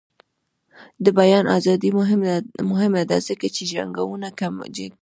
د بیان ازادي مهمه ده ځکه چې جنګونه کموي.